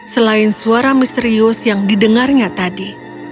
selain suara misterius yang didengarnya tadi